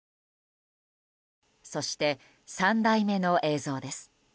そして３台目の映像です。